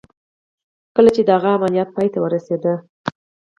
کله چې د هغه عملیات پای ته ورسېد